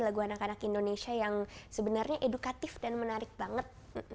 lagu anak anak indonesia yang sebenarnya edukatif dan menarik banget